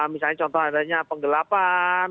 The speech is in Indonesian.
misalnya contohnya adanya penggelapan